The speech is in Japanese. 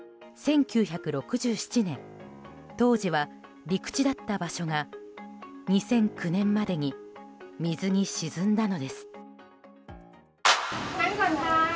１９６７年当時は陸地だった場所が２００９年までに水に沈んだのです。